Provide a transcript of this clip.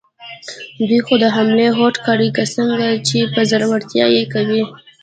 دوی خو د حملې هوډ کړی، که څنګه، چې په زړورتیا یې کوي؟